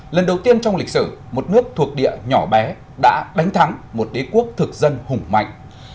lần đầu tiên trong lịch sử một nước thuộc địa nhỏ bé đã đánh thắng một đế quốc thực dân hùng mạnh